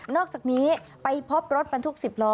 นอกจากนี้ไปพบรถบันทุกข์สิบล้อ